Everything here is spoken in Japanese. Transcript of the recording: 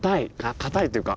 硬いっていうか。